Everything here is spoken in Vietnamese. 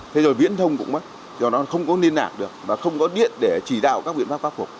thế rồi viễn thông cũng mất do nó không có liên lạc được và không có điện để chỉ đạo các biện pháp khắc phục